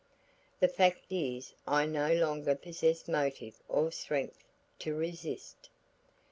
The fact is I no longer possessed motive or strength to resist.